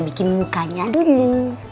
bikin mukanya dulu